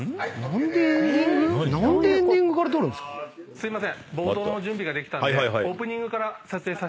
すいません。